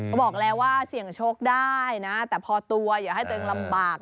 ก็บอกแล้วว่าเสี่ยงโชคได้นะแต่พอตัวอย่าให้ตัวเองลำบาก